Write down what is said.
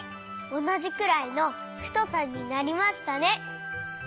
おなじくらいのふとさになりましたね。